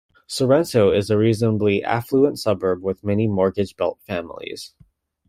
Sorrento is a reasonably affluent suburb with many "mortgage belt" families.